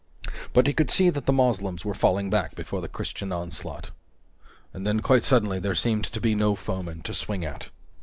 But he could see that the Moslems were falling back before the Christian onslaught. And then, quite suddenly, there seemed to be no foeman to swing at.